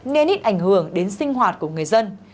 nên ít ảnh hưởng đến sinh hoạt của người dân